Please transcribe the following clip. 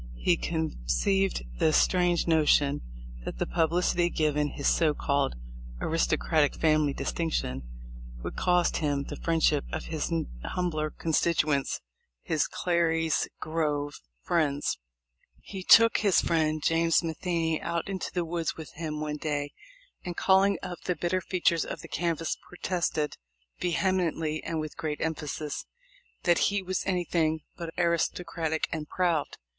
He conceived the strange notion that the publicity given his so called "aristocratic family distinction" would cost him the friendship of his humbler constituents — his Clary's Grove * Letter, A. T. Ellis, July 16, '66, MS. 2/0 THE LIFE OF LINCOLN. friends. He took his friend James Matheney out into the woods with him one day and, calling up the bitter features of the canvass, protested "vehemently and with great emphasis" that he was anything but aristocratic and proud.